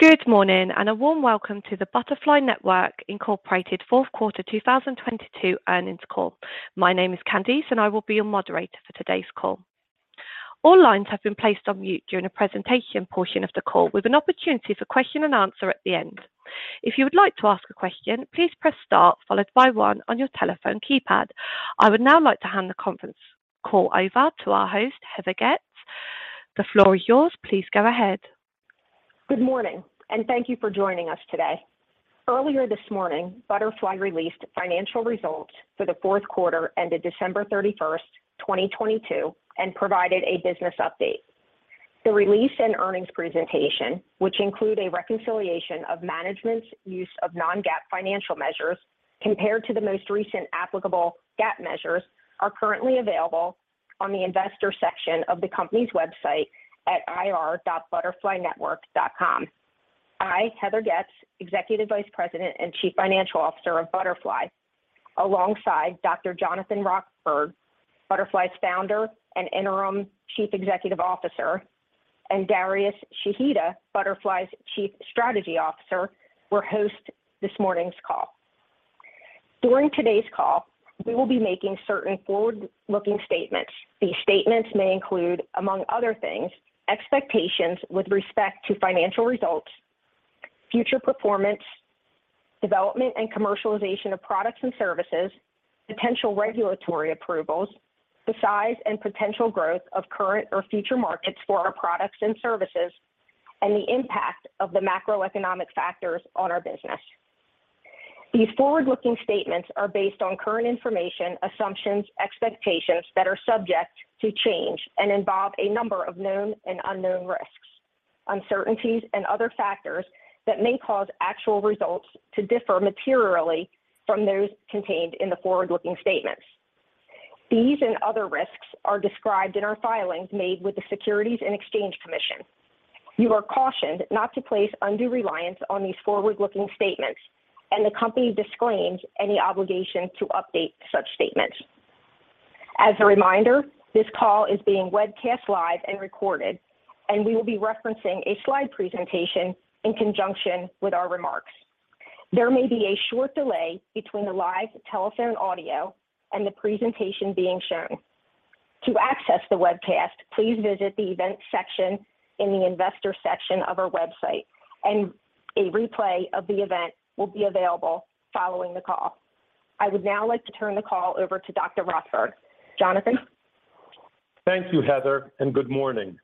Good morning and a warm welcome to the Butterfly Network Inc. fourth quarter 2022 earnings call. My name is Candice, and I will be your moderator for today's call. All lines have been placed on mute during the presentation portion of the call with an opportunity for question and answer at the end. If you would like to ask a question, please press star followed by one on your telephone keypad. I would now like to hand the conference call over to our host, Heather Getz. The floor is yours. Please go ahead. Good morning, and thank you for joining us today. Earlier this morning, Butterfly released financial results for the fourth quarter ended December 31st, 2022, and provided a business update. The release and earnings presentation, which include a reconciliation of management's use of non-GAAP financial measures compared to the most recent applicable GAAP measures, are currently available on the investor section of the company's website at investors.butterflynetwork.com. I, Heather Getz, Executive Vice President and Chief Financial Officer of Butterfly, alongside Dr. Jonathan Rothberg, Butterfly's Founder and Interim Chief Executive Officer, and Darius Shahida, Butterfly's Chief Strategy Officer, will host this morning's call. During today's call, we will be making certain forward-looking statements. These statements may include, among other things, expectations with respect to financial results, future performance, development and commercialization of products and services, potential regulatory approvals, the size and potential growth of current or future markets for our products and services, and the impact of the macroeconomic factors on our business. These forward-looking statements are based on current information, assumptions, expectations that are subject to change and involve a number of known and unknown risks, uncertainties and other factors that may cause actual results to differ materially from those contained in the forward-looking statements. These and other risks are described in our filings made with the Securities and Exchange Commission. You are cautioned not to place undue reliance on these forward-looking statements, and the company disclaims any obligation to update such statements. As a reminder, this call is being webcast live and recorded. We will be referencing a slide presentation in conjunction with our remarks. There may be a short delay between the live telephone audio and the presentation being shown. To access the webcast, please visit the Events section in the Investor section of our website. A replay of the event will be available following the call. I would now like to turn the call over to Dr. Rothberg. Jonathan. Thank you, Heather, and good morning.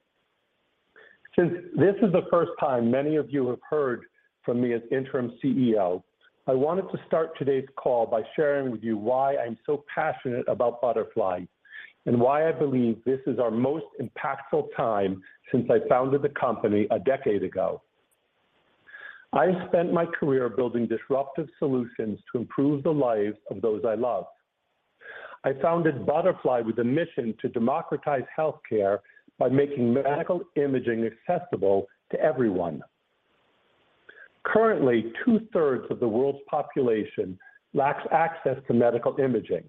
Since this is the first time many of you have heard from me as interim CEO, I wanted to start today's call by sharing with you why I'm so passionate about Butterfly and why I believe this is our most impactful time since I founded the company a decade ago. I spent my career building disruptive solutions to improve the lives of those I love. I founded Butterfly with a mission to democratize healthcare by making medical imaging accessible to everyone. Currently, two-thirds of the world's population lacks access to medical imaging.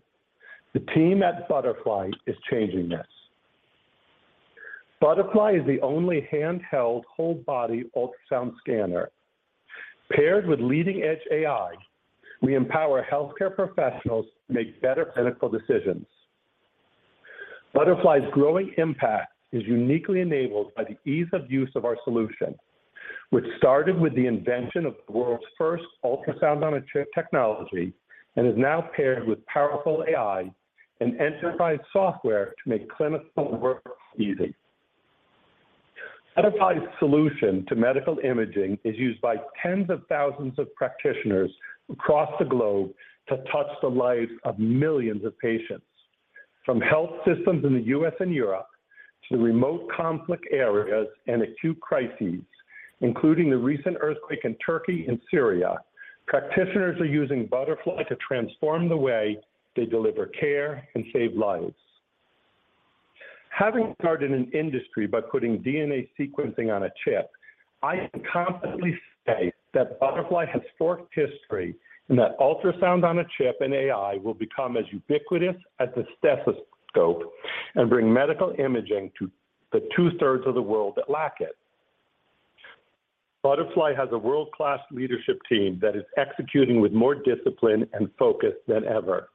The team at Butterfly is changing this. Butterfly is the only handheld whole body ultrasound scanner. Paired with leading-edge AI, we empower healthcare professionals to make better clinical decisions. Butterfly's growing impact is uniquely enabled by the ease of use of our solution, which started with the invention of the world's first Ultrasound-on-Chip technology and is now paired with powerful AI and enterprise software to make clinical workflow easy. Butterfly's solution to medical imaging is used by tens of thousands of practitioners across the globe to touch the lives of millions of patients. From health systems in the U.S. and Europe to remote conflict areas and acute crises, including the recent earthquake in Turkey and Syria, practitioners are using Butterfly to transform the way they deliver care and save lives. Having started an industry by putting DNA sequencing on a chip, I can confidently say that Butterfly has forged history and that ultrasound on a chip and AI will become as ubiquitous as the stethoscope and bring medical imaging to the two-thirds of the world that lack it. Butterfly has a world-class leadership team that is executing with more discipline and focus than ever.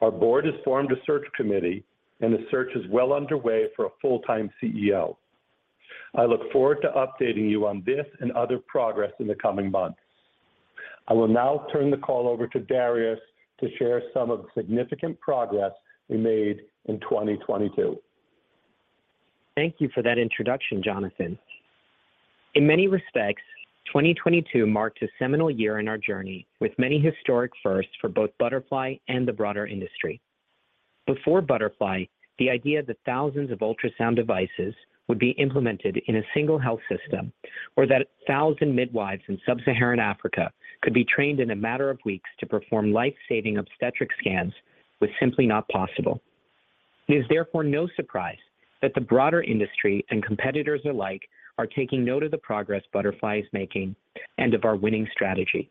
Our board has formed a search committee and the search is well underway for a full-time CEO. I look forward to updating you on this and other progress in the coming months. I will now turn the call over to Darius to share some of the significant progress we made in 2022. Thank you for that introduction, Jonathan. In many respects, 2022 marked a seminal year in our journey with many historic firsts for both Butterfly and the broader industry. Before Butterfly, the idea that thousands of ultrasound devices would be implemented in a single health system or that 1,000 midwives in sub-Saharan Africa could be trained in a matter of weeks to perform life-saving obstetric scans was simply not possible. It is therefore no surprise that the broader industry and competitors alike are taking note of the progress Butterfly is making and of our winning strategy.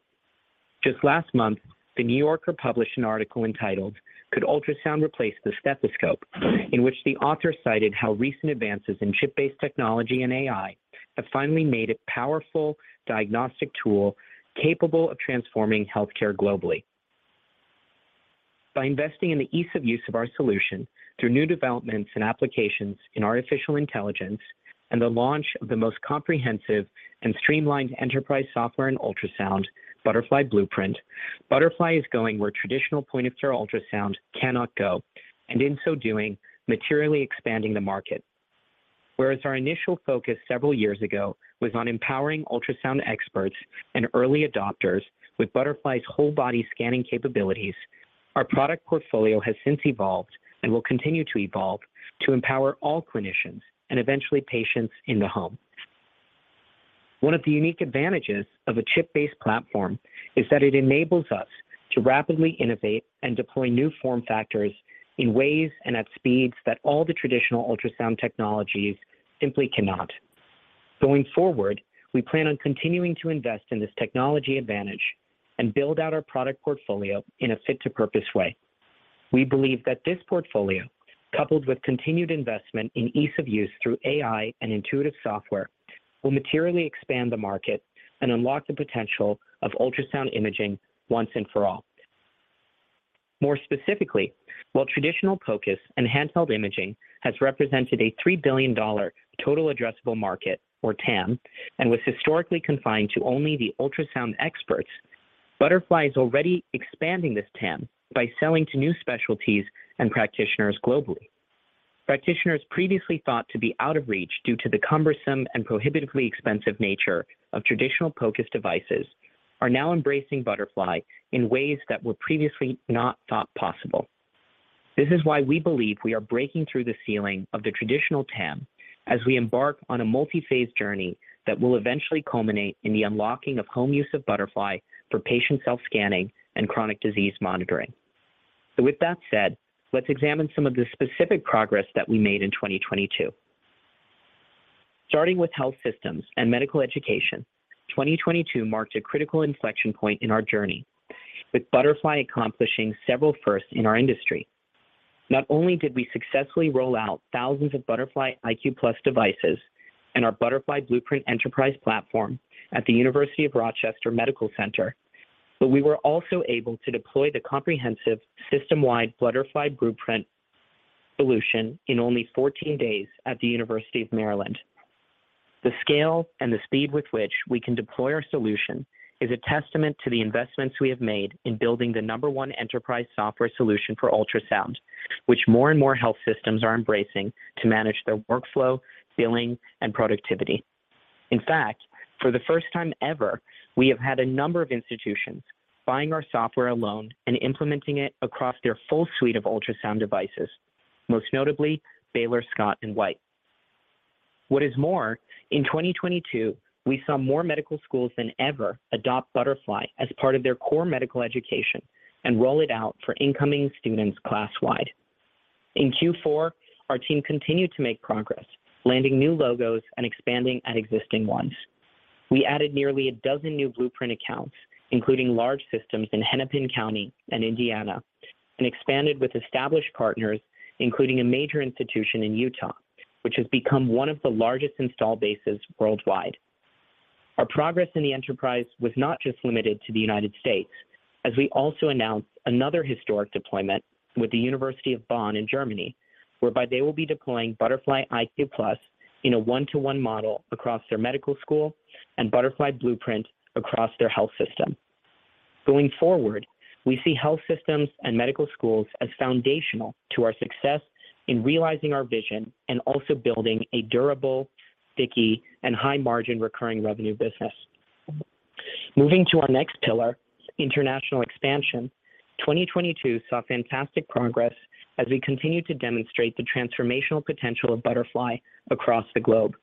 Just last month, The New Yorker published an article entitled "Could Ultrasound Replace the Stethoscope?" in which the author cited how recent advances in chip-based technology and AI have finally made a powerful diagnostic tool capable of transforming healthcare globally. By investing in the ease of use of our solution through new developments and applications in artificial intelligence and the launch of the most comprehensive and streamlined enterprise software in ultrasound, Butterfly Blueprint, Butterfly is going where traditional point-of-care ultrasound cannot go, and in so doing, materially expanding the market. Whereas our initial focus several years ago was on empowering ultrasound experts and early adopters with Butterfly's whole-body scanning capabilities, our product portfolio has since evolved and will continue to evolve to empower all clinicians and eventually patients in the home. One of the unique advantages of a chip-based platform is that it enables us to rapidly innovate and deploy new form factors in ways and at speeds that all the traditional ultrasound technologies simply cannot. Going forward, we plan on continuing to invest in this technology advantage and build out our product portfolio in a fit-to-purpose way. We believe that this portfolio, coupled with continued investment in ease of use through AI and intuitive software, will materially expand the market and unlock the potential of ultrasound imaging once and for all. More specifically, while traditional focus and handheld imaging has represented a $3 billion total addressable market or TAM, and was historically confined to only the ultrasound experts, Butterfly is already expanding this TAM by selling to new specialties and practitioners globally. Practitioners previously thought to be out of reach due to the cumbersome and prohibitively expensive nature of traditional focused devices are now embracing Butterfly in ways that were previously not thought possible. This is why we believe we are breaking through the ceiling of the traditional TAM as we embark on a multi-phase journey that will eventually culminate in the unlocking of home use of Butterfly for patient self-scanning and chronic disease monitoring. With that said, let's examine some of the specific progress that we made in 2022. Starting with health systems and medical education, 2022 marked a critical inflection point in our journey, with Butterfly accomplishing several firsts in our industry. Not only did we successfully roll out thousands of Butterfly iQ+ devices and our Butterfly Blueprint Enterprise platform at the University of Rochester Medical Center, but we were also able to deploy the comprehensive system-wide Butterfly Blueprint solution in only 14 days at the University of Maryland. The scale and the speed with which we can deploy our solution is a testament to the investments we have made in building the number one enterprise software solution for ultrasound, which more and more health systems are embracing to manage their workflow, billing, and productivity. In fact, for the first time ever, we have had a number of institutions buying our software alone and implementing it across their full suite of ultrasound devices, most notably Baylor Scott & White. In 2022, we saw more medical schools than ever adopt Butterfly as part of their core medical education and roll it out for incoming students class-wide. In Q4, our team continued to make progress, landing new logos and expanding at existing ones. We added nearly 12 new Blueprint accounts, including large systems in Hennepin County and Indiana, and expanded with established partners, including a major institution in Utah, which has become one of the largest install bases worldwide. Our progress in the enterprise was not just limited to the United States, as we also announced another historic deployment with the University of Bonn in Germany, whereby they will be deploying Butterfly iQ+ in a 1-to-1 model across their medical school and Butterfly Blueprint across their health system. Going forward, we see health systems and medical schools as foundational to our success in realizing our vision and also building a durable, sticky, and high-margin recurring revenue business. Moving to our next pillar, International Expansion, 2022 saw fantastic progress as we continued to demonstrate the transformational potential of Butterfly across the globe.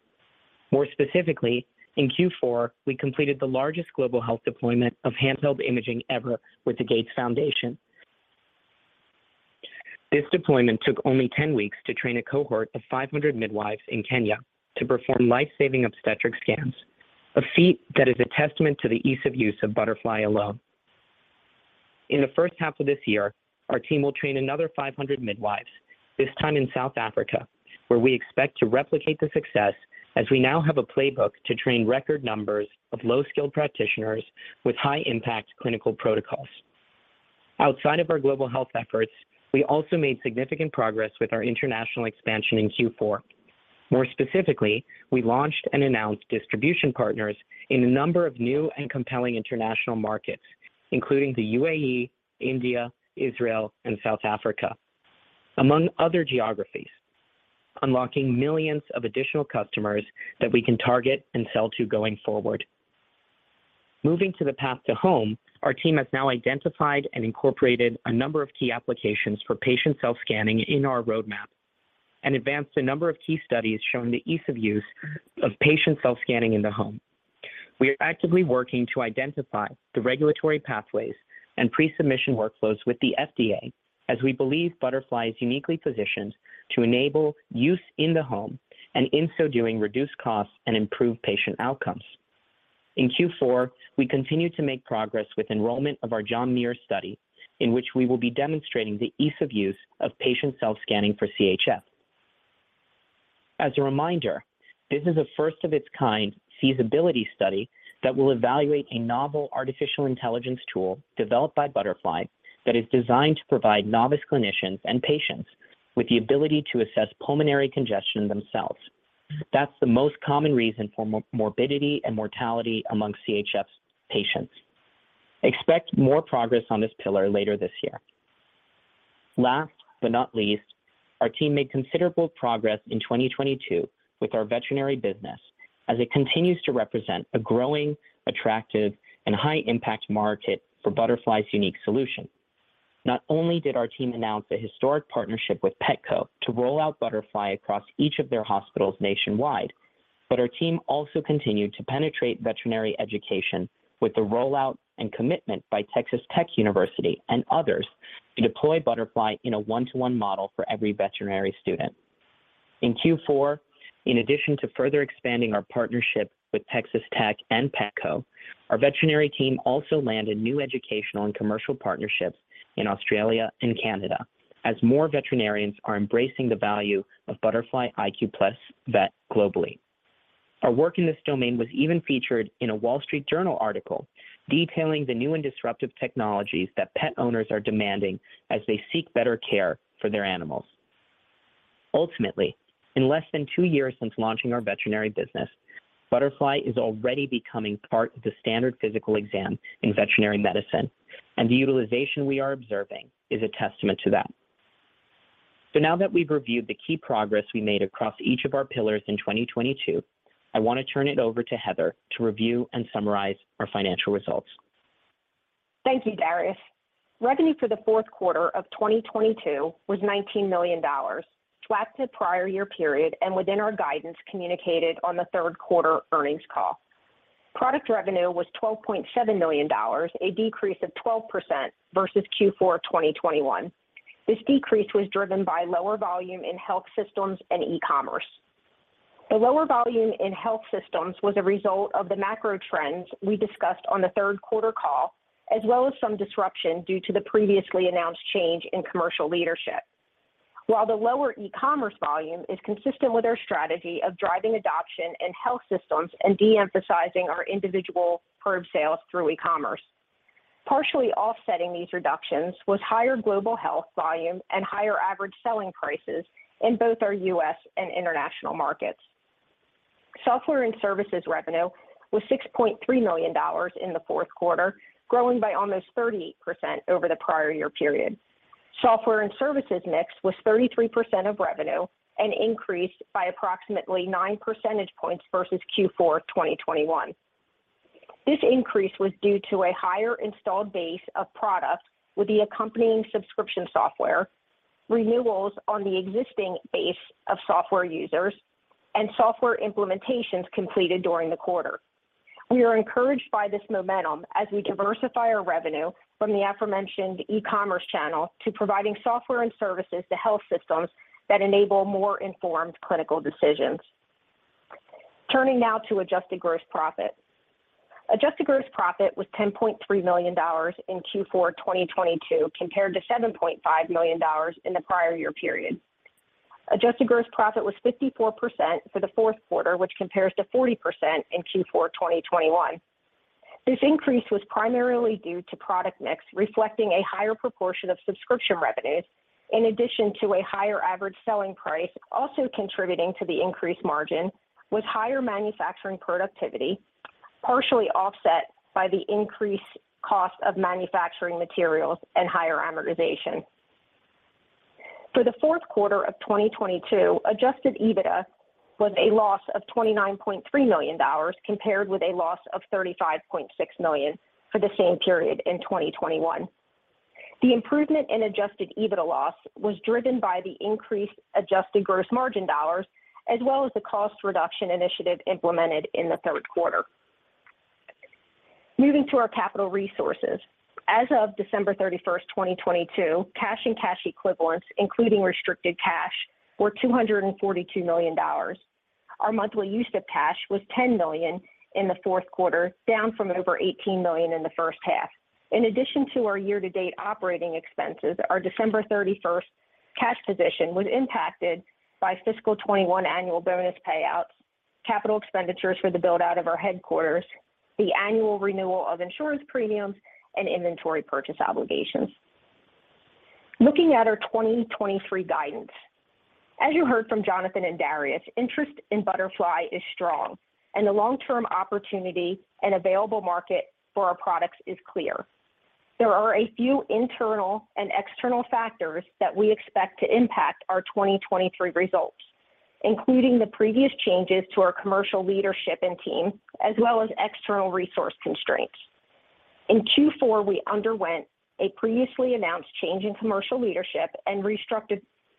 More specifically, in Q4, we completed the largest global health deployment of handheld imaging ever with the Gates Foundation. This deployment took only 10 weeks to train a cohort of 500 midwives in Kenya to perform life-saving obstetric scans, a feat that is a testament to the ease of use of Butterfly alone. In the first half of this year, our team will train another 500 midwives, this time in South Africa, where we expect to replicate the success as we now have a playbook to train record numbers of low-skilled practitioners with high-impact clinical protocols. Outside of our global health efforts, we also made significant progress with our international expansion in Q4. More specifically, we launched and announced distribution partners in a number of new and compelling international markets, including the UAE, India, Israel, and South Africa, among other geographies, unlocking millions of additional customers that we can target and sell to going forward. Moving to the path to home, our team has now identified and incorporated a number of key applications for patient self-scanning in our roadmap and advanced a number of key studies showing the ease of use of patient self-scanning in the home. We are actively working to identify the regulatory pathways and pre-submission workflows with the FDA as we believe Butterfly is uniquely positioned to enable use in the home and in so doing reduce costs and improve patient outcomes. In Q4, we continued to make progress with enrollment of our John Muir study, in which we will be demonstrating the ease of use of patient self-scanning for CHF. As a reminder, this is a first of its kind feasibility study that will evaluate a novel artificial intelligence tool developed by Butterfly that is designed to provide novice clinicians and patients with the ability to assess pulmonary congestion themselves. That's the most common reason for morbidity and mortality among CHF patients. Expect more progress on this pillar later this year. Last but not least, our team made considerable progress in 2022 with our veterinary business as it continues to represent a growing, attractive, and high impact market for Butterfly's unique solution. Not only did our team announce a historic partnership with Petco to roll out Butterfly across each of their hospitals nationwide, but our team also continued to penetrate veterinary education with the rollout and commitment by Texas Tech University and others to deploy Butterfly in a one-to-one model for every veterinary student. In Q4, in addition to further expanding our partnership with Texas Tech and Petco, our veterinary team also landed new educational and commercial partnerships in Australia and Canada as more veterinarians are embracing the value of Butterfly iQ+ Vet globally. Our work in this domain was even featured in a Wall Street Journal article detailing the new and disruptive technologies that pet owners are demanding as they seek better care for their animals. Ultimately, in less than two years since launching our veterinary business, Butterfly is already becoming part of the standard physical exam in veterinary medicine, and the utilization we are observing is a testament to that. Now that we've reviewed the key progress we made across each of our pillars in 2022, I wanna turn it over to Heather to review and summarize our financial results. Thank you, Darius. Revenue for the fourth quarter of 2022 was $19 million, flat to prior year period and within our guidance communicated on the third quarter earnings call. Product revenue was $12.7 million, a decrease of 12% versus Q4 2021. This decrease was driven by lower volume in health systems and e-commerce. The lower volume in health systems was a result of the macro trends we discussed on the third quarter call, as well as some disruption due to the previously announced change in commercial leadership. While the lower e-commerce volume is consistent with our strategy of driving adoption in health systems and de-emphasizing our individual probe sales through e-commerce. Partially offsetting these reductions was higher global health volume and higher average selling prices in both our U.S. and international markets. Software and services revenue was $6.3 million in the fourth quarter, growing by almost 38% over the prior year period. Software and services mix was 33% of revenue and increased by approximately nine percentage points versus Q4 2021. This increase was due to a higher installed base of products with the accompanying subscription software, renewals on the existing base of software users, and software implementations completed during the quarter. We are encouraged by this momentum as we diversify our revenue from the aforementioned e-commerce channel to providing software and services to health systems that enable more informed clinical decisions. Turning now to adjusted gross profit. Adjusted gross profit was $10.3 million in Q4 2022, compared to $7.5 million in the prior year period. Adjusted gross profit was 54% for the fourth quarter, which compares to 40% in Q4 2021. This increase was primarily due to product mix reflecting a higher proportion of subscription revenues in addition to a higher average selling price. Contributing to the increased margin was higher manufacturing productivity, partially offset by the increased cost of manufacturing materials and higher amortization. For the fourth quarter of 2022, adjusted EBITDA was a loss of $29.3 million, compared with a loss of $35.6 million for the same period in 2021. The improvement in adjusted EBITDA loss was driven by the increased adjusted gross margin dollars as well as the cost reduction initiative implemented in the third quarter. Moving to our capital resources. As of December 31st, 2022, cash and cash equivalents, including restricted cash, were $242 million. Our monthly use of cash was $10 million in the fourth quarter, down from over $18 million in the first half. In addition to our year-to-date operating expenses, our December 31st cash position was impacted by fiscal 2021 annual bonus payouts, capital expenditures for the build-out of our headquarters, the annual renewal of insurance premiums, and inventory purchase obligations. Looking at our 2023 guidance. As you heard from Jonathan and Darius, interest in Butterfly is strong, and the long-term opportunity and available market for our products is clear. There are a few internal and external factors that we expect to impact our 2023 results, including the previous changes to our commercial leadership and team, as well as external resource constraints. In Q4, we underwent a previously announced change in commercial leadership and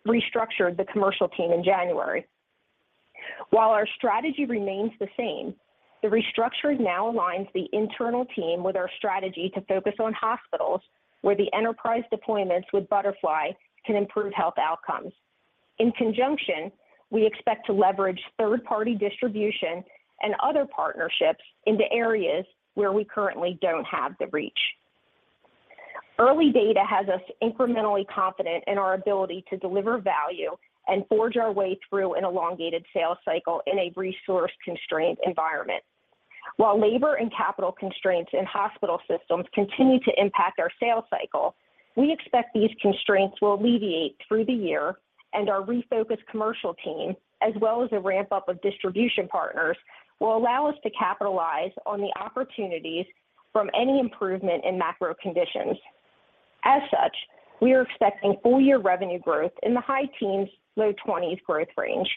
restructured the commercial team in January. While our strategy remains the same, the restructure now aligns the internal team with our strategy to focus on hospitals where the enterprise deployments with Butterfly can improve health outcomes. In conjunction, we expect to leverage third-party distribution and other partnerships into areas where we currently don't have the reach. Early data has us incrementally confident in our ability to deliver value and forge our way through an elongated sales cycle in a resource-constrained environment. While labor and capital constraints in hospital systems continue to impact our sales cycle, we expect these constraints will alleviate through the year and our refocused commercial team, as well as the ramp-up of distribution partners, will allow us to capitalize on the opportunities from any improvement in macro conditions. As such, we are expecting full-year revenue growth in the high teens, low 20s growth range,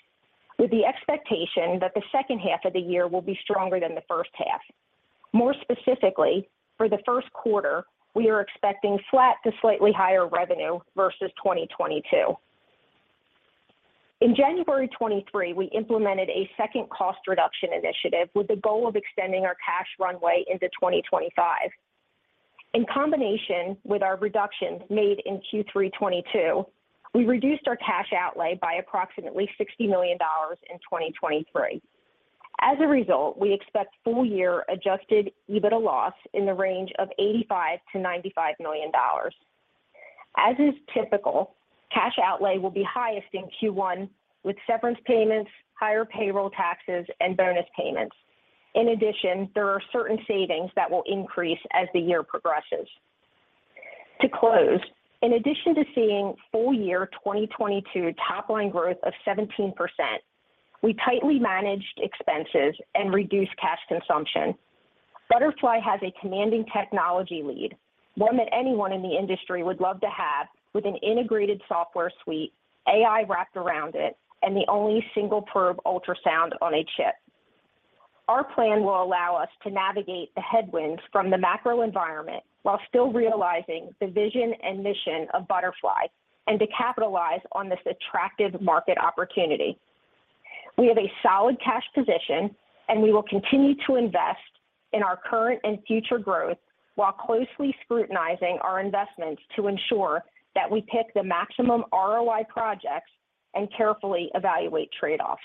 with the expectation that the second half of the year will be stronger than the first half. More specifically, for the first quarter, we are expecting flat to slightly higher revenue versus 2022. In January 2023, we implemented a second cost reduction initiative with the goal of extending our cash runway into 2025. In combination with our reductions made in Q3 2022, we reduced our cash outlay by approximately $60 million in 2023. As a result, we expect full year adjusted EBITDA loss in the range of $85 million-$95 million. As is typical, cash outlay will be highest in Q1 with severance payments, higher payroll taxes and bonus payments. In addition, there are certain savings that will increase as the year progresses. To close, in addition to seeing full year 2022 top line growth of 17%, we tightly managed expenses and reduced cash consumption. Butterfly has a commanding technology lead, one that anyone in the industry would love to have with an integrated software suite, AI wrapped around it and the only single probe Ultrasound-on-Chip. Our plan will allow us to navigate the headwinds from the macro environment while still realizing the vision and mission of Butterfly and to capitalize on this attractive market opportunity. We have a solid cash position and we will continue to invest in our current and future growth while closely scrutinizing our investments to ensure that we pick the maximum ROI projects and carefully evaluate trade-offs.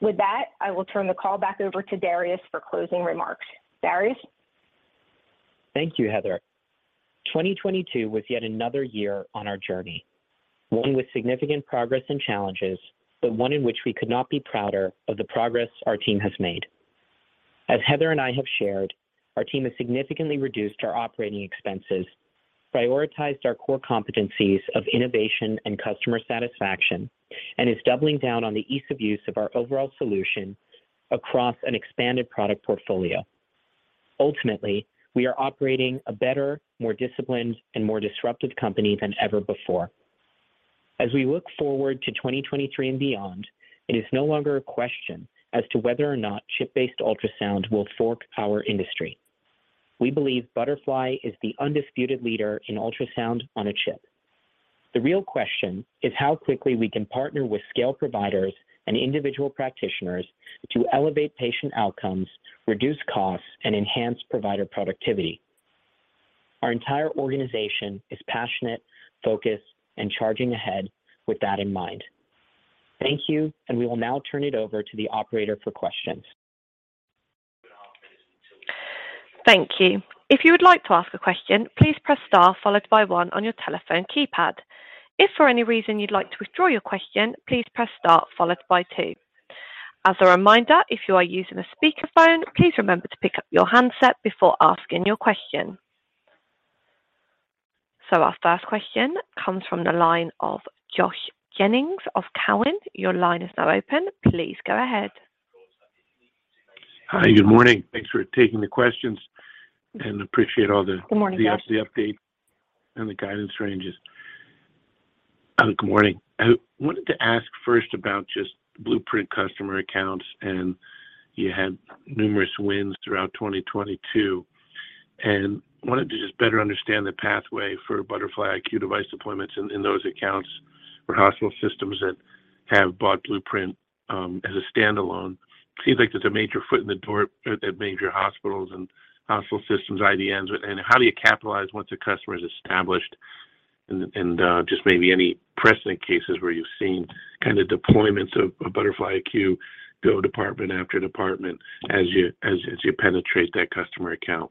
With that, I will turn the call back over to Darius for closing remarks. Darius. Thank you, Heather. 2022 was yet another year on our journey, one with significant progress and challenges, but one in which we could not be prouder of the progress our team has made. As Heather and I have shared, our team has significantly reduced our OpEx, prioritized our core competencies of innovation and customer satisfaction, and is doubling down on the ease of use of our overall solution across an expanded product portfolio. Ultimately, we are operating a better, more disciplined, and more disruptive company than ever before. As we look forward to 2023 and beyond, it is no longer a question as to whether or not chip-based ultrasound will fork our industry. We believe Butterfly is the undisputed leader in ultrasound on a chip. The real question is how quickly we can partner with scale providers and individual practitioners to elevate patient outcomes, reduce costs and enhance provider productivity. Our entire organization is passionate, focused, and charging ahead with that in mind. Thank you. We will now turn it over to the operator for questions. Thank you. If you would like to ask a question, please press star followed by one on your telephone keypad. If for any reason you'd like to withdraw your question, please press star followed by 2. As a reminder, if you are using a speakerphone, please remember to pick up your handset before asking your question. Our first question comes from the line of Josh Jennings of Cowen. Your line is now open. Please go ahead. Hi. Good morning. Thanks for taking the questions. Appreciate. Good morning, Josh. -the update and the guidance ranges. Good morning. I wanted to ask first about just Blueprint customer accounts, and you had numerous wins throughout 2022, and wanted to just better understand the pathway for Butterfly iQ device deployments in those accounts for hospital systems that have bought Blueprint, as a standalone. Seems like there's a major foot in the door at major hospitals and hospital systems, IDNs. How do you capitalize once a customer is established and just maybe any precedent cases where you've seen kind of deployments of Butterfly iQ go department after department as you, as you penetrate that customer account?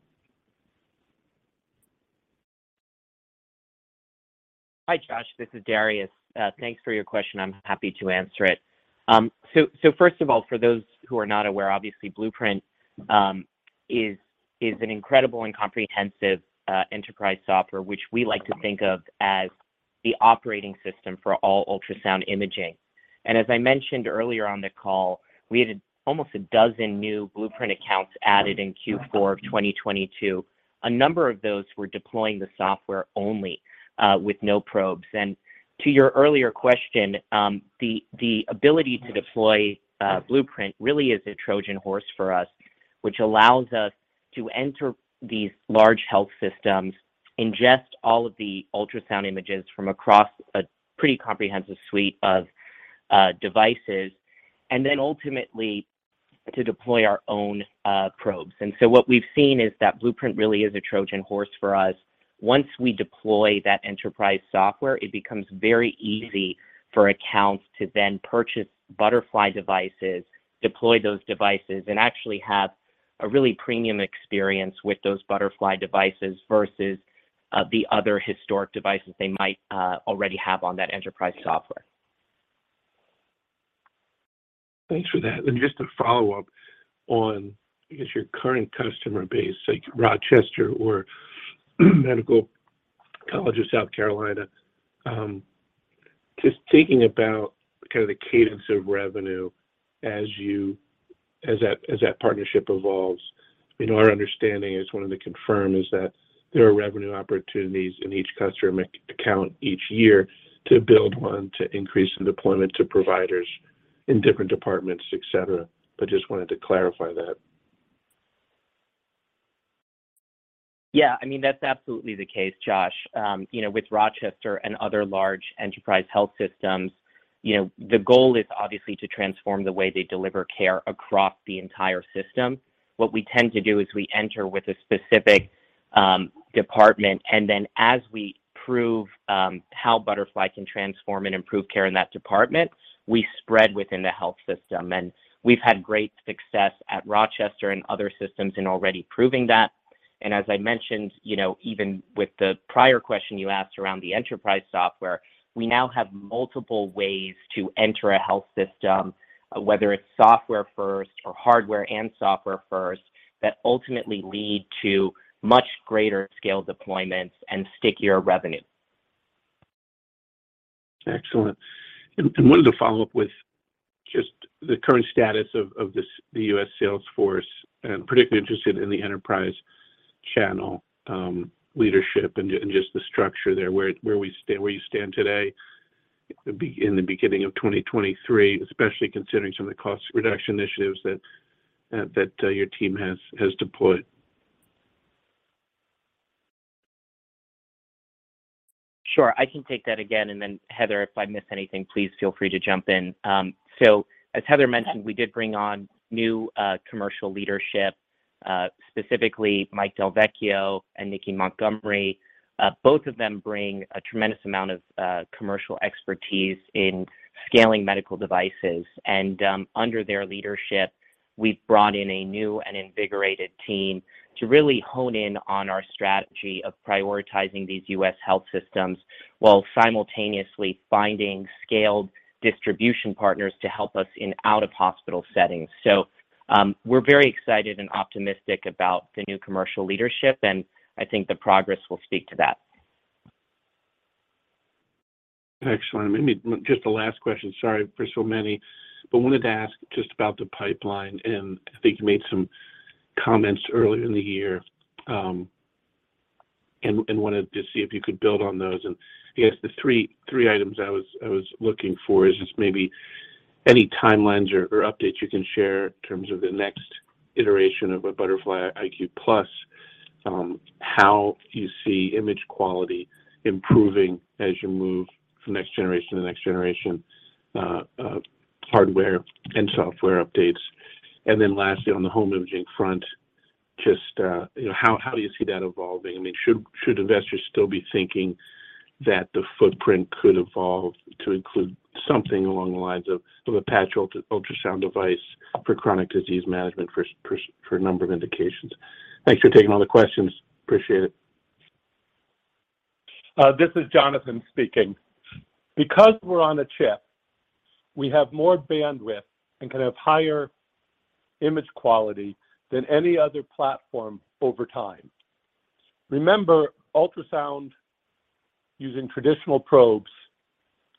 Hi, Josh. This is Darius. Thanks for your question. I'm happy to answer it. First of all, for those who are not aware, obviously Blueprint is an incredible and comprehensive enterprise software, which we like to think of as the operating system for all ultrasound imaging. As I mentioned earlier on the call, we had almost a dozen new Blueprint accounts added in Q4 of 2022. A number of those were deploying the software only, with no probes. To your earlier question, the ability to deploy Blueprint really is a Trojan Horse for us, which allows us to enter these large health systems, ingest all of the ultrasound images from across a pretty comprehensive suite of devices, and then ultimately to deploy our own probes. What we've seen is that Blueprint really is a Trojan Horse for us. Once we deploy that enterprise software, it becomes very easy for accounts to then purchase Butterfly devices, deploy those devices, and actually have a really premium experience with those Butterfly devices versus the other historic devices they might already have on that enterprise software. Thanks for that. Just a follow-up on, I guess, your current customer base, like Rochester or Medical University of South Carolina. Just thinking about kind of the cadence of revenue as that partnership evolves. You know, our understanding is, wanted to confirm, is that there are revenue opportunities in each customer account each year to build one, to increase the deployment to providers in different departments, et cetera. I just wanted to clarify that. Yeah, I mean, that's absolutely the case, Josh. you know, with Rochester and other large enterprise health systems, you know, the goal is obviously to transform the way they deliver care across the entire system. What we tend to do is we enter with a specific department, and then as we prove how Butterfly can transform and improve care in that department, we spread within the health system. We've had great success at Rochester and other systems in already proving that. As I mentioned, you know, even with the prior question you asked around the enterprise software, we now have multiple ways to enter a health system, whether it's software first or hardware and software first, that ultimately lead to much greater scale deployments and stickier revenue. Excellent. And wanted to follow up with just the current status of the U.S. Sales force, and particularly interested in the enterprise channel, leadership and just the structure there. Where you stand today in the beginning of 2023, especially considering some of the cost reduction initiatives that your team has deployed. Sure. I can take that again, and then Heather, if I miss anything, please feel free to jump in. As Heather mentioned, we did bring on new commercial leadership, specifically Mike Del Vecchio and Nikki Montgomery. Both of them bring a tremendous amount of commercial expertise in scaling medical devices. Under their leadership, we've brought in a new and invigorated team to really hone in on our strategy of prioritizing these U.S. health systems while simultaneously finding scaled distribution partners to help us in out-of-hospital settings. We're very excited and optimistic about the new commercial leadership, and I think the progress will speak to that. Excellent. Just a last question. Sorry for so many. Wanted to ask just about the pipeline, and I think you made some comments earlier in the year, and wanted to see if you could build on those. I guess the three items I was looking for is just maybe any timelines or updates you can share in terms of the next iteration of a Butterfly iQ+, how you see image quality improving as you move from next generation to the next generation hardware and software updates. Lastly, on the home imaging front, just, you know, how do you see that evolving? I mean, should investors still be thinking that the footprint could evolve to include something along the lines of a patch ultrasound device for chronic disease management for a number of indications? Thanks for taking all the questions. Appreciate it. This is Jonathan speaking. Because we're on a chip, we have more bandwidth and can have higher image quality than any other platform over time. Remember, ultrasound using traditional probes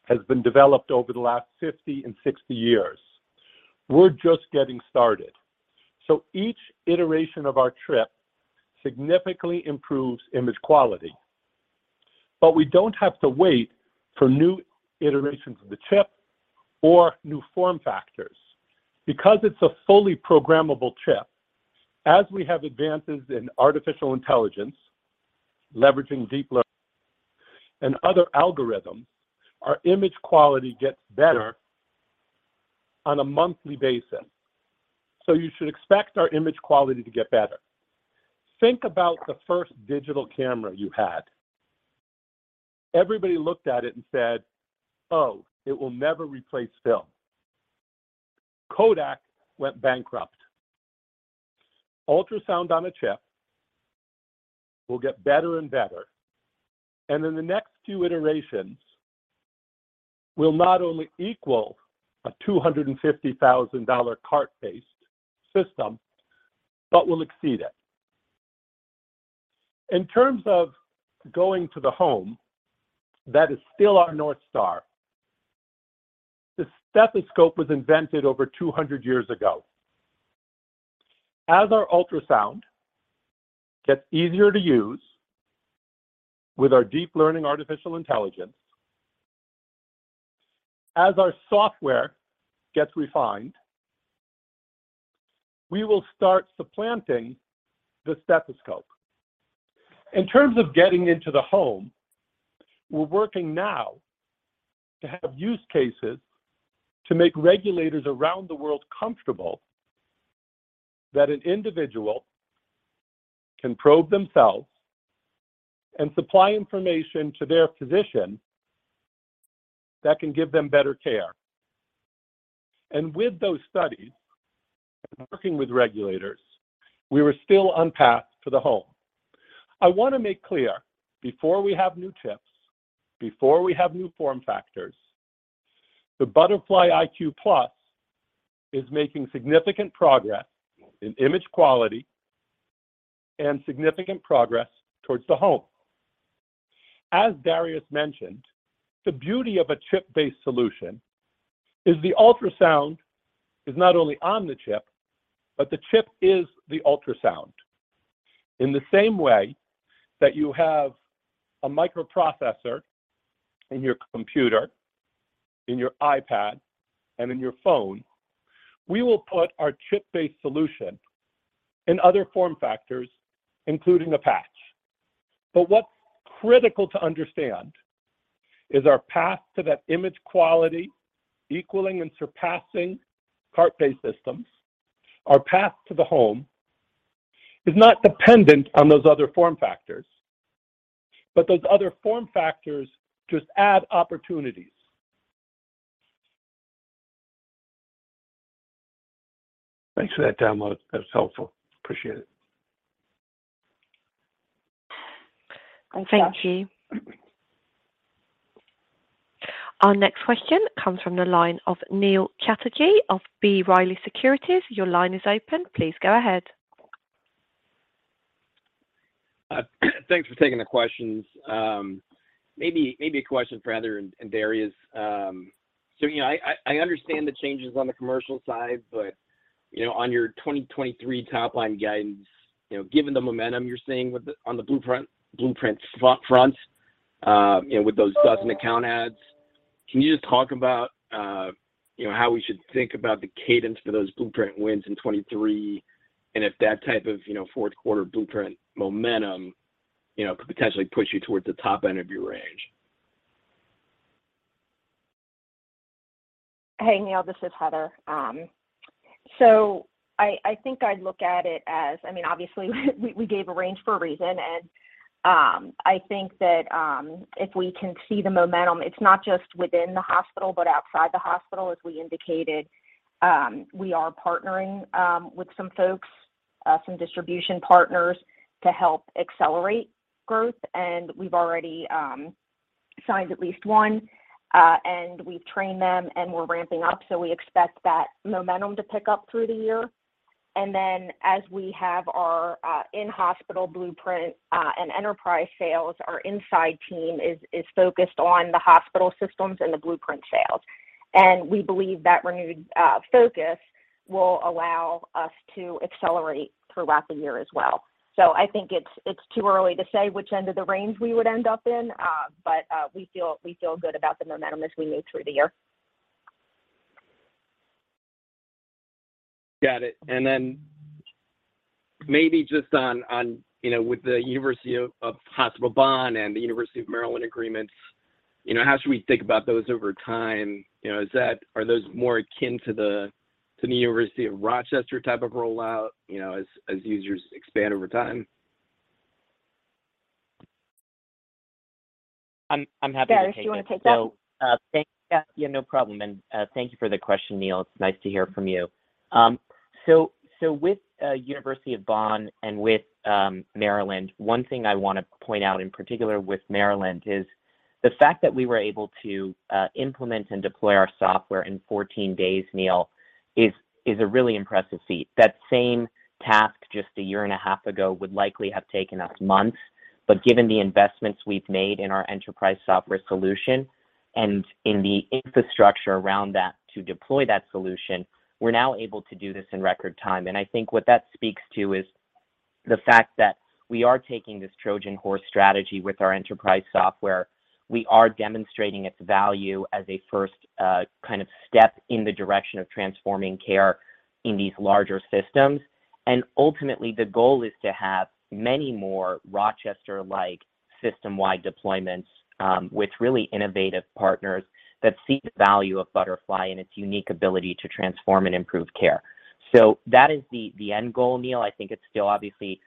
has been developed over the last 50 years and 60 years. We're just getting started. Each iteration of our chip significantly improves image quality. We don't have to wait for new iterations of the chip or new form factors. Because it's a fully programmable chip, as we have advances in artificial intelligence, leveraging deep learning and other algorithms, our image quality gets better on a monthly basis. You should expect our image quality to get better. Think about the first digital camera you had. Everybody looked at it and said, "Oh, it will never replace film." Kodak went bankrupt. Ultrasound-on-Chip will get better and better, and in the next few iterations will not only equal a $250,000 cart-based system, but will exceed it. In terms of going to the home, that is still our North Star. The stethoscope was invented over 200 years ago. As our ultrasound gets easier to use with our deep learning artificial intelligence, as our software gets refined, we will start supplanting the stethoscope. In terms of getting into the home, we're working now to have use cases to make regulators around the world comfortable that an individual can probe themselves and supply information to their physician that can give them better care. With those studies, working with regulators, we were still on path for the home. I want to make clear, before we have new chips, before we have new form factors, the Butterfly iQ+ is making significant progress in image quality and significant progress towards the home. As Darius mentioned, the beauty of a chip-based solution is the ultrasound is not only on the chip, but the chip is the ultrasound. In the same way that you have a microprocessor in your computer, in your iPad, and in your phone, we will put our chip-based solution in other form factors, including a patch. What's critical to understand is our path to that image quality equaling and surpassing cart-based systems, our path to the home is not dependent on those other form factors. Those other form factors just add opportunities. Thanks for that demo. That was helpful. Appreciate it. Thanks, Josh. Thank you. Our next question comes from the line of Neil Chatterji of B. Riley Securities. Your line is open. Please go ahead. Thanks for taking the questions. Maybe, maybe a question for Heather and Darius. You know, I understand the changes on the commercial side, but, you know, on your 2023 top-line guidance, you know, given the momentum you're seeing on the Butterfly Blueprint front, you know, with those 12 account adds, can you just talk about, you know, how we should think about the cadence for those Butterfly Blueprint wins in 2023, and if that type of, you know, fourth quarter Butterfly Blueprint momentum, you know, could potentially push you towards the top end of your range? Hey, Neil, this is Heather. I think I look at it as, I mean, obviously we gave a range for a reason, and I think that if we can see the momentum, it's not just within the hospital, but outside the hospital, as we indicated. We are partnering with some folks, some distribution partners to help accelerate growth, and we've already signed at least one, and we've trained them, and we're ramping up, we expect that momentum to pick up through the year. As we have our in-hospital Butterfly Blueprint, and enterprise sales, our inside team is focused on the hospital systems and the Butterfly Blueprint sales. We believe that renewed focus will allow us to accelerate throughout the year as well. I think it's too early to say which end of the range we would end up in, but we feel good about the momentum as we move through the year. Got it. Maybe just on, you know, with the University of Bonn and the University of Maryland agreements, you know, how should we think about those over time? You know, are those more akin to the University of Rochester type of rollout, you know, as users expand over time? I'm happy to take that. Darius, do you want to take that? Yeah, no problem. Thank you for the question, Neil. It's nice to hear from you. So with University of Bonn and with Maryland, one thing I want to point out in particular with Maryland is the fact that we were able to implement and deploy our software in 14 days, Neil, is a really impressive feat. That same task just a year and a half ago would likely have taken us months. Given the investments we've made in our enterprise software solution and in the infrastructure around that to deploy that solution, we're now able to do this in record time. I think what that speaks to is the fact that we are taking this Trojan Horse strategy with our enterprise software. We are demonstrating its value as a first kind of step in the direction of transforming care in these larger systems. Ultimately, the goal is to have many more Rochester-like system-wide deployments with really innovative partners that see the value of Butterfly and its unique ability to transform and improve care. That is the end goal, Neil. I think it's still obviously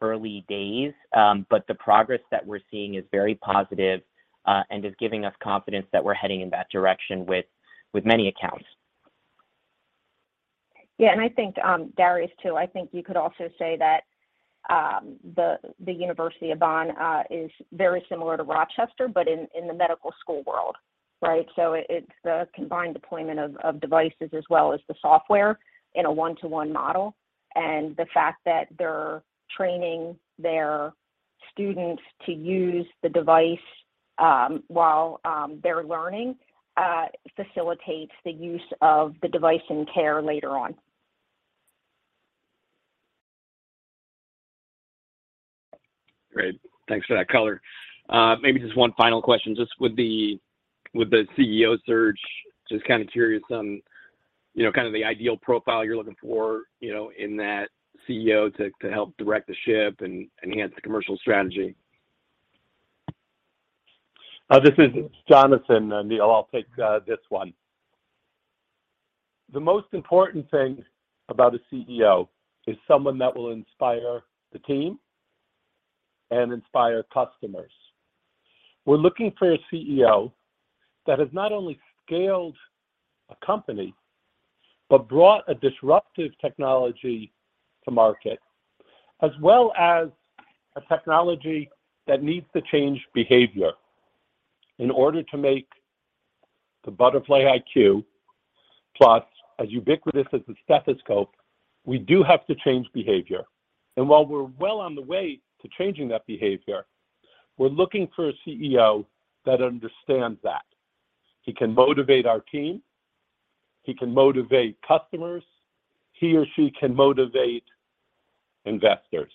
early days, but the progress that we're seeing is very positive and is giving us confidence that we're heading in that direction with many accounts. Yeah. I think, Darius, too, I think you could also say that, the University of Bonn is very similar to Rochester, but in the medical school world, right? It's the combined deployment of devices as well as the software in a 1-to-1 model. The fact that they're training their students to use the device, while they're learning, facilitates the use of the device in care later on. Great. Thanks for that color. Maybe just one final question. Just with the, with the CEO search, just kind of curious on you know, kind of the ideal profile you're looking for, you know, in that CEO to help direct the ship and enhance the commercial strategy. This is Jonathan, and Neil, I'll take this one. The most important thing about a CEO is someone that will inspire the team and inspire customers. We're looking for a CEO that has not only scaled a company but brought a disruptive technology to market, as well as a technology that needs to change behavior. In order to make the Butterfly iQ+ as ubiquitous as the stethoscope, we do have to change behavior. While we're well on the way to changing that behavior, we're looking for a CEO that understands that. He can motivate our team, he can motivate customers, he or she can motivate investors,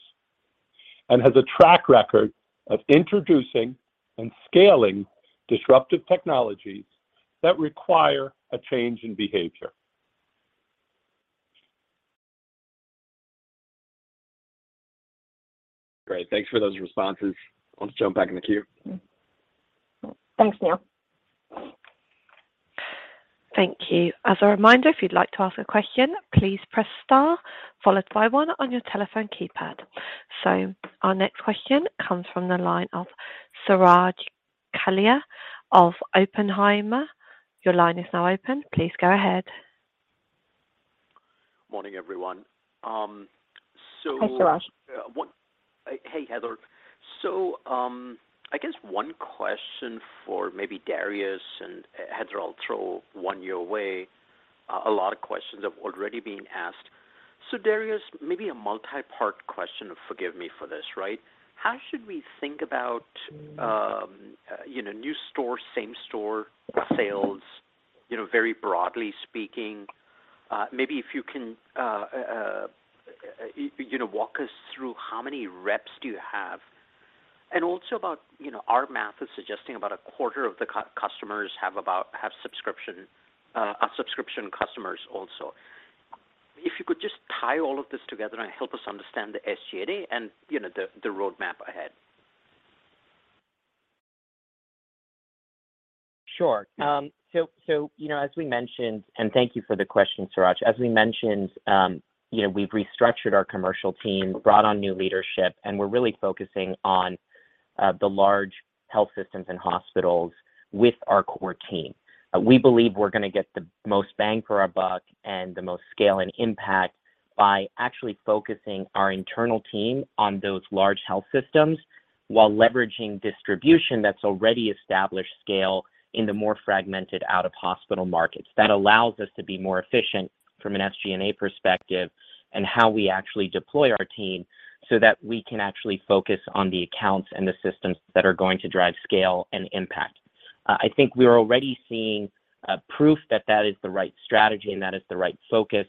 and has a track record of introducing and scaling disruptive technologies that require a change in behavior. Great. Thanks for those responses. I'll jump back in the queue. Thanks, Neil. Thank you. As a reminder, if you'd like to ask a question, please press star followed by 1 on your telephone keypad. Our next question comes from the line of Suraj Kalia of Oppenheimer. Your line is now open. Please go ahead. Morning, everyone. Hi, Suraj. Hey, Heather. I guess one question for maybe Darius and Heather, I'll throw one your way. A lot of questions have already been asked. Darius, maybe a multi-part question, forgive me for this, right? How should we think about, you know, new store, same store sales, you know, very broadly speaking. Maybe if you can, you know, walk us through how many reps do you have? Also about, you know, our math is suggesting about a quarter of the customers have subscription, are subscription customers also. If you could just tie all of this together and help us understand the SG&A and, you know, the roadmap ahead. Sure. So, you know, as we mentioned, thank you for the question, Suraj. As we mentioned, you know, we've restructured our commercial team, brought on new leadership, and we're really focusing on the large health systems and hospitals with our core team. We believe we're gonna get the most bang for our buck and the most scale and impact by actually focusing our internal team on those large health systems while leveraging distribution that's already established scale in the more fragmented out-of-hospital markets. That allows us to be more efficient from an SG&A perspective and how we actually deploy our team so that we can actually focus on the accounts and the systems that are going to drive scale and impact. I think we're already seeing proof that that is the right strategy and that is the right focus.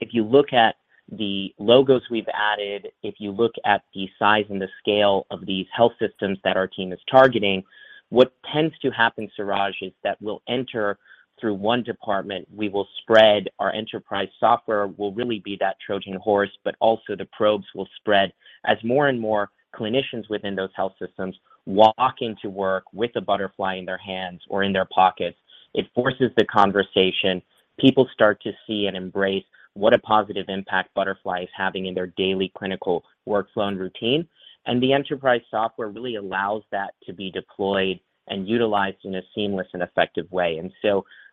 If you look at the logos we've added, if you look at the size and the scale of these health systems that our team is targeting, what tends to happen, Suraj, is that we'll enter through one department, we will spread. Our enterprise software will really be that Trojan Horse, but also the probes will spread as more and more clinicians within those health systems walk into work with a Butterfly in their hands or in their pockets. It forces the conversation. People start to see and embrace what a positive impact Butterfly is having in their daily clinical workflow and routine. The enterprise software really allows that to be deployed and utilized in a seamless and effective way.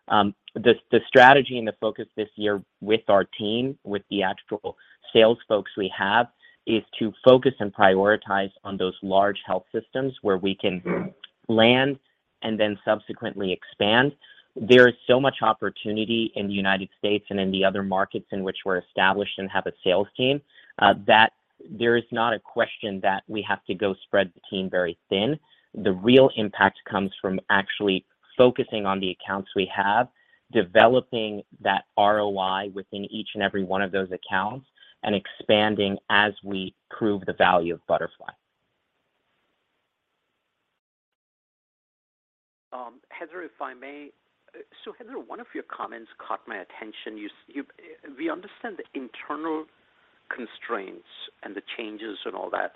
The strategy and the focus this year with our team, with the actual sales folks we have, is to focus and prioritize on those large health systems where we can land and then subsequently expand. There is so much opportunity in the United States and in the other markets in which we're established and have a sales team, that there is not a question that we have to go spread the team very thin. The real impact comes from actually focusing on the accounts we have, developing that ROI within each and every one of those accounts, and expanding as we prove the value of Butterfly. Heather, if I may. Heather, one of your comments caught my attention. We understand the internal constraints and the changes and all that.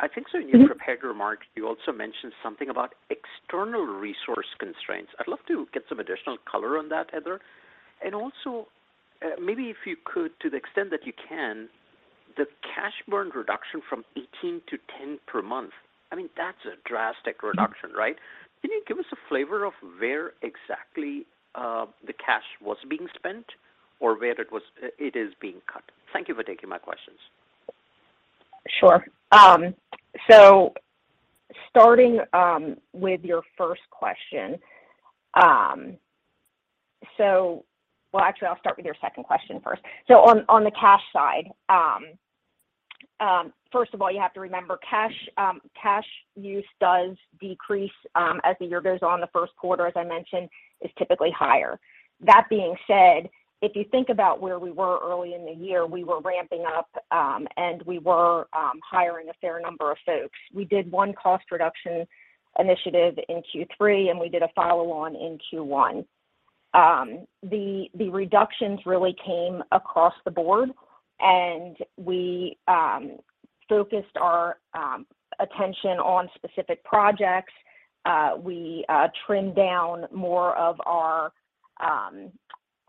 I think so. Mm-hmm. In your prepared remarks, you also mentioned something about external resource constraints. I'd love to get some additional color on that, Heather. Maybe if you could, to the extent that you can, the cash burn reduction from 18 to 10 per month, I mean, that's a drastic reduction, right? Can you give us a flavor of where exactly the cash was being spent or where it is being cut? Thank you for taking my questions. Sure. Starting with your first question. Well, actually, I'll start with your second question first. On the cash side, first of all, you have to remember cash use does decrease as the year goes on. The first quarter, as I mentioned, is typically higher. That being said, if you think about where we were early in the year, we were ramping up, and we were hiring a fair number of folks. We did one cost reduction initiative in Q3, and we did a follow on in Q1. The reductions really came across the board, and we focused our attention on specific projects. We trimmed down more of our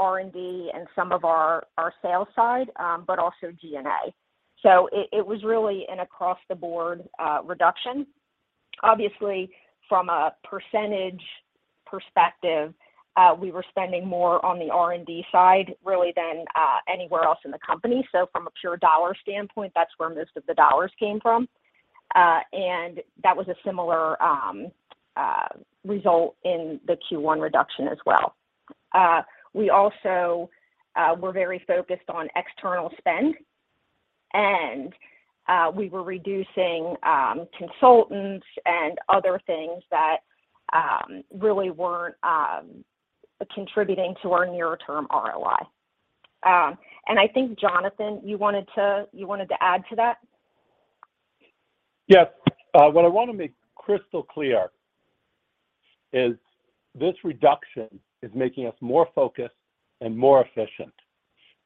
R&D and some of our sales side, but also G&A. It was really an across-the-board reduction. Obviously, from a percentage perspective, we were spending more on the R&D side really than anywhere else in the company. From a pure dollar standpoint, that's where most of the dollars came from, and that was a similar result in the Q1 reduction as well. We also were very focused on external spend, and we were reducing consultants and other things that really weren't contributing to our near-term ROI. I think, Jonathan, you wanted to add to that? Yes. What I wanna make crystal clear is this reduction is making us more focused and more efficient,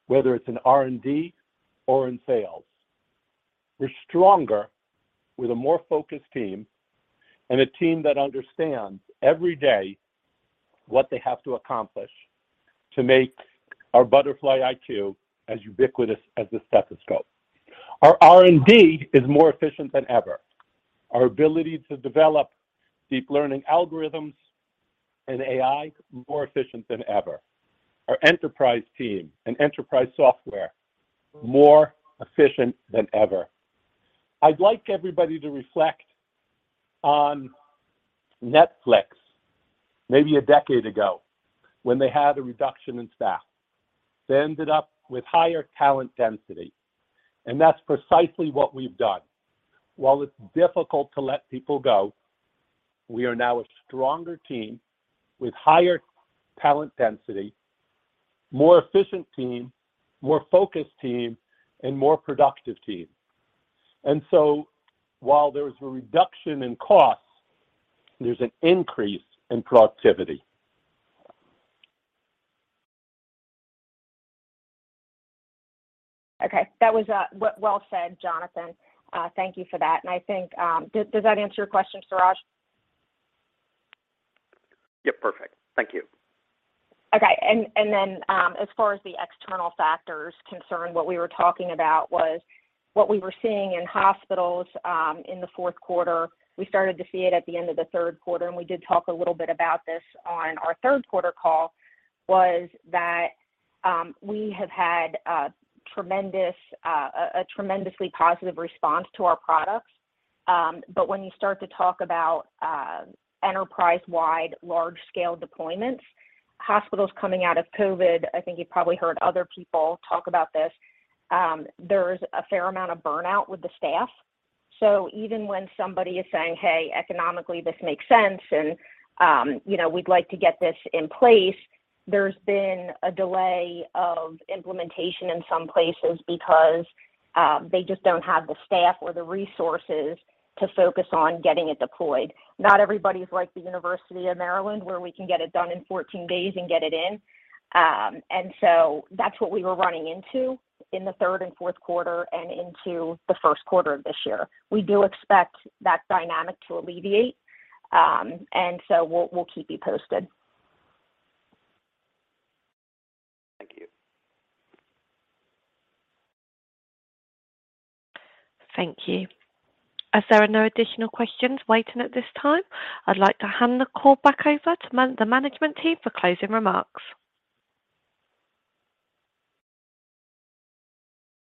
whether it's in R&D or in sales. We're stronger with a more focused team and a team that understands every day what they have to accomplish to make our Butterfly iQ as ubiquitous as the stethoscope. Our R&D is more efficient than ever. Our ability to develop deep learning algorithms and AI, more efficient than ever. Our enterprise team and enterprise software, more efficient than ever. I'd like everybody to reflect on Netflix maybe a decade ago when they had a reduction in staff. They ended up with higher talent density, and that's precisely what we've done. While it's difficult to let people go, we are now a stronger team with higher talent density, more efficient team, more focused team, and more productive team. While there's a reduction in costs, there's an increase in productivity. Okay. That was well said, Jonathan. Thank you for that. I think, Does that answer your question, Suraj? Yep, perfect. Thank you. Okay. As far as the external factors concerned, what we were talking about was what we were seeing in hospitals in the fourth quarter. We started to see it at the end of the third quarter, and we did talk a little bit about this on our third quarter call, was that, we have had a tremendously positive response to our products. When you start to talk about enterprise-wide large scale deployments, hospitals coming out of COVID, I think you've probably heard other people talk about this, there's a fair amount of burnout with the staff. Even when somebody is saying, "Hey, economically, this makes sense, and, you know, we'd like to get this in place," there's been a delay of implementation in some places because they just don't have the staff or the resources to focus on getting it deployed. Not everybody's like the University of Maryland, where we can get it done in 14 days and get it in. That's what we were running into in the third and fourth quarter and into the first quarter of this year. We do expect that dynamic to alleviate. We'll keep you posted. Thank you. Thank you. As there are no additional questions waiting at this time, I'd like to hand the call back over to the management team for closing remarks.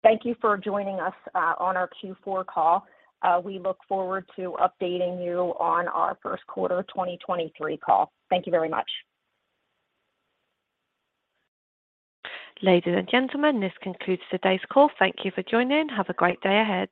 Thank you for joining us, on our Q4 call. We look forward to updating you on our first quarter of 2023 call. Thank you very much. Ladies and gentlemen, this concludes today's call. Thank you for joining. Have a great day ahead.